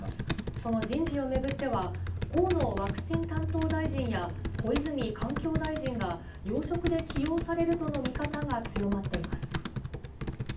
その人事を巡っては、河野ワクチン担当大臣や小泉環境大臣が、要職で起用されるとの見方が強まっています。